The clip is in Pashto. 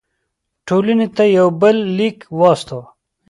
ټولنې ته یو بل لیک واستاوه.